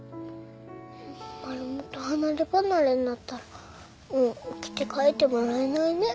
マルモと離れ離れになったらもうおきて書いてもらえないね。